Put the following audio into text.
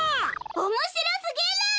おもしろすぎる！